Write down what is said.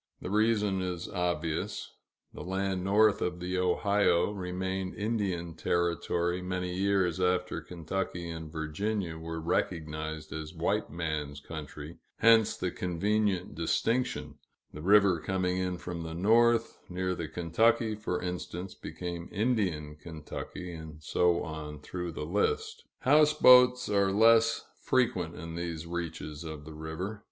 The reason is obvious; the land north of the Ohio remained Indian territory many years after Kentucky and Virginia were recognized as white man's country, hence the convenient distinction the river coming in from the north, near the Kentucky, for instance, became "Indian Kentucky," and so on through the list. Houseboats are less frequent, in these reaches of the river.